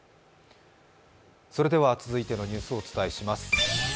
それでは続いてのニュースをお伝えします。